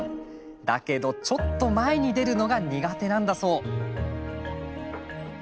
だけどちょっと前に出るのが苦手なんだそう。